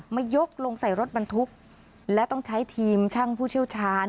ยกลงใส่รถบรรทุกและต้องใช้ทีมช่างผู้เชี่ยวชาญ